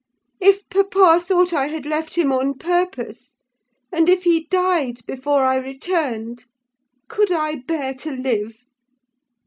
If papa thought I had left him on purpose, and if he died before I returned, could I bear to live?